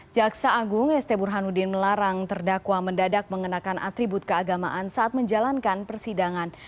jaksa agung st burhanuddin melarang terdakwa mendadak mengenakan atribut keagamaan saat menjalankan persidangan